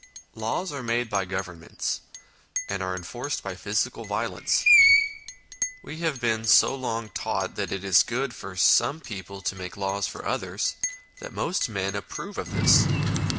Laws are made by Governments, and are enforced by physical violence. We have been so long taught that it is good for some people to make laws for others, that most men approve of this.